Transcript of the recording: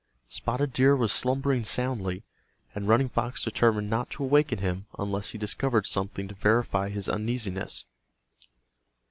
Spotted Deer was slumbering soundly, and Running Fox determined not to awaken him unless he discovered something to verify his uneasiness.